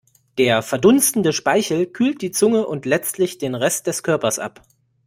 Der verdunstende Speichel kühlt die Zunge und letztlich den Rest des Körpers ab.